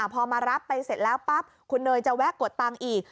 พอมารับไปเสร็จแล้วปั๊บคุณเนยจะแวะกดตังค์อีก